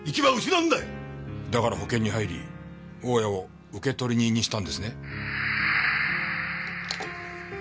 だから保険に入り大家を受取人にしたんですね？